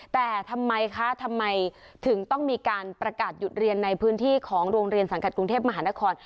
แต่ทำไมคะทำไมถึงต้องมีการประกาศหยุดเรียนในพื้นที่ของโรงเรียนสังกัดกรุงเทพมหานคร